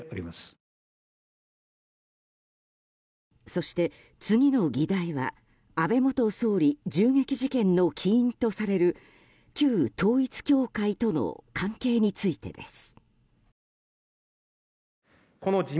そして、次の議題は安倍元総理銃撃事件の起因とされる旧統一教会との関係についてです。